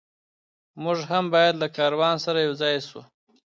موږ هم باید له کاروان سره یو ځای سو.